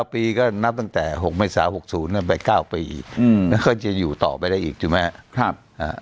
ปีก็นับตั้งแต่๖เมษา๖๐ไป๙ปีแล้วก็จะอยู่ต่อไปได้อีกถูกไหมครับ